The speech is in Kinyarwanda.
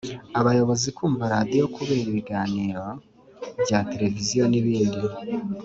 abayobozi kumva radiyo kureba ibiganiro bya tereviziyo n ibindi